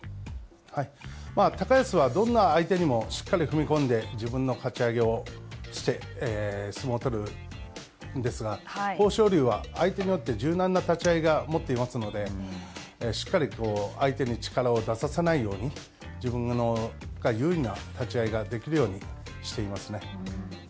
高安はどんな相手にもしっかり踏み込んで、自分のかち上げをして相撲を取るんですが豊昇龍は相手によって、柔軟な立ち合いが持っていますのでしっかりと相手に力を出させないように、自分が優位な立ち合いができるようにしていますね。